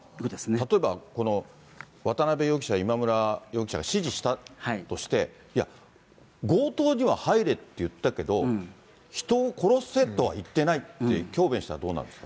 例えば、この渡辺容疑者、今村容疑者が指示したとして、いや、強盗には入れって言ったけど、人を殺せとは言ってないって強弁したらどうなるんですか？